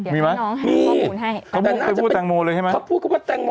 มีมั้ยน้องให้ข้อมูลให้เค้าน่าจะพูดแตงโมเลยใช่ไหมเค้าพูดก็ว่าแตงโม